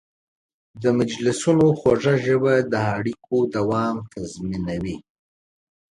د مجلسونو خوږه ژبه د اړیکو دوام تضمینوي.